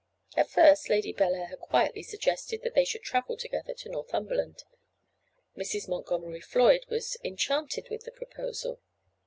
At first Lady Bellair had quietly suggested that they should travel together to Northumberland. Mrs. Montgomery Floyd was enchanted with the proposal.